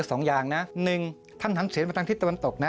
อ๋อออกไปอีก